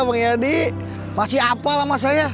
bang yadi masih apa sama saya